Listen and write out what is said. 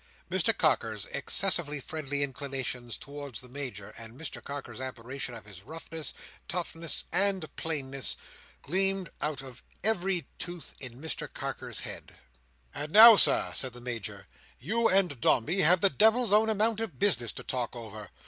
Mr Carker's excessively friendly inclinations towards the Major, and Mr Carker's admiration of his roughness, toughness, and plainness, gleamed out of every tooth in Mr Carker's head. "And now, Sir," said the Major, "you and Dombey have the devil's own amount of business to talk over."